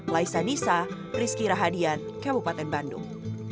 laisa nisa rizky rahadian kabupaten bandung